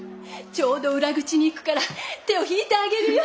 ちょうど裏口に行くから手を引いてあげるよ。